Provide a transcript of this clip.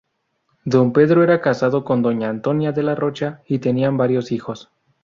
Don Pedro era casado con doña Antonia de la Rocha y tenían varios hijos.